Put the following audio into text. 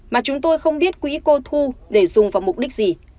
mà chúng tôi không biết quỹ cô thu để dùng vào mục đích gì